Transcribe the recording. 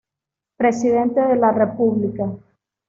Presidente de la República.